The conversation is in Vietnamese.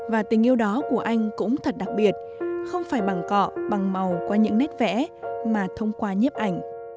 và tình yêu đó của anh cũng thật đặc biệt không phải bằng cọ bằng màu qua những nét vẽ mà thông qua nhiếp ảnh